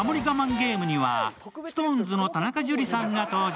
ゲームにはＳｉｘＴＯＮＥＳの田中樹さんが登場。